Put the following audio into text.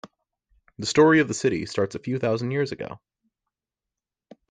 The story of the city starts a few thousand years ago.